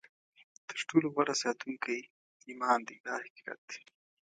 تر ټولو غوره ساتونکی ایمان دی دا حقیقت دی.